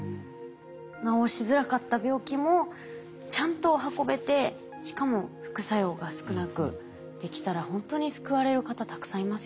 治しづらかった病気もちゃんと運べてしかも副作用が少なくできたらほんとに救われる方たくさんいますよね。